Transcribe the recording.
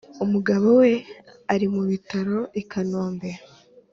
Umugabo we ari mu bitaro I Kanombe